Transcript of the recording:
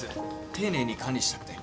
丁寧に管理したくて。